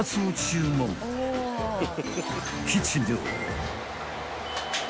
［キッチンでは］